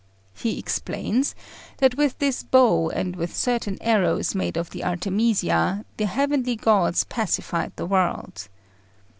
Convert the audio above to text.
He explains that with this bow, and with certain arrows made of the Artemisia, the heavenly gods pacified the world.